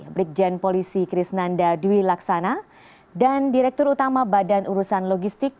brigjen polisi krisnanda dwi laksana dan direktur utama badan urusan logistik